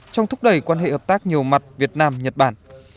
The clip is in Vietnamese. trong thúc đẩy quan hệ hợp tác nhiều mặt việt nam nhật bản